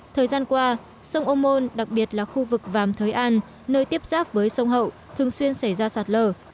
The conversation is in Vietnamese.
thời gian qua sông ô môn đặc biệt là khu vực vàm thới an nơi tiếp giáp với sông hậu thường xuyên xảy ra sạt lở